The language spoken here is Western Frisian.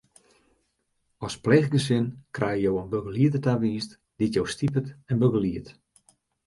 As pleechgesin krije jo in begelieder tawiisd dy't jo stipet en begeliedt.